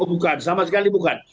bukan sama sekali bukan